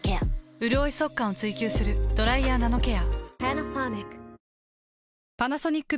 うるおい速乾を追求する「ドライヤーナノケア」。